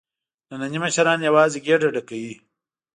نني مشران یوازې ګېډه ډکوي.